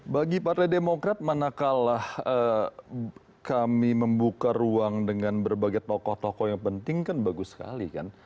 bagi partai demokrat manakala kami membuka ruang dengan berbagai tokoh tokoh yang penting kan bagus sekali kan